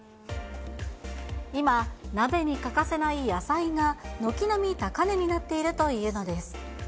今、鍋に欠かせない野菜が、軒並み高値になっているというのです。